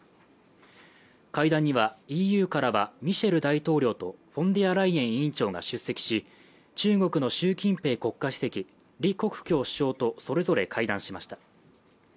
会談には、ＥＵからはミシェル大統領とフォンデアライエン委員長が出席し、中国の習近平国家主席、李克強首相とそれぞれ会談しました。